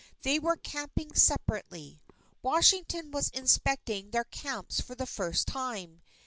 They were camping separately. Washington was inspecting their camps for the first time.